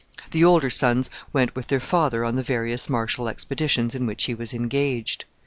The older sons went with their father on the various martial expeditions in which he was engaged.